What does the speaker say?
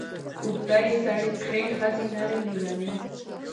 اوږده ې سړې پښې ښځې نرې لېونې